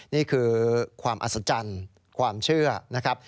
นี่คือความอัศจรรย์ความเชื่อนะครับ